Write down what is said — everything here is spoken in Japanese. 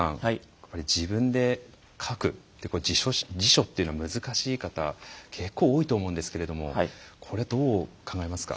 やっぱり自分で書く自署というのは、難しい方結構多いと思うんですけどこれ、どう考えますか？